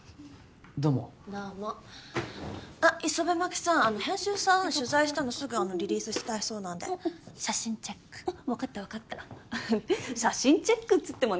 どうもどうもあっイソベマキさん編集さん取材したのすぐリリースしたいそうなんで写真チェック分かった分かった写真チェックっつってもね